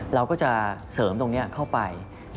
เราก็จะเสริมตรงนี้เข้าไป